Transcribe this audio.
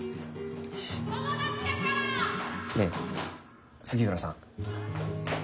ねえ杉浦さん。